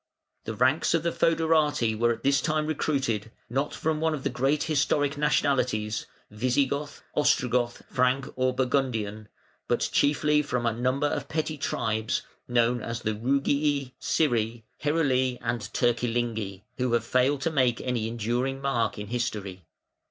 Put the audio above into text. The ranks of the fœderati were at this time recruited, not from one of the great historic nationalities Visigoth, Ostrogoth, Frank, or Burgundian, but chiefly from a number of petty tribes, known as the Rugii, Scyri, Heruli, and Turcilingi, who have failed to make any enduring mark in history.